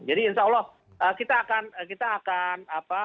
jadi insya allah kita akan kita akan apa